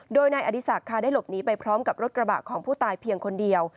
โดยนายอดีศักดิ์ค่ะได้หลบหนีไปพร้อมกับรถกระบะของผู้ตายเพียงคนเดียว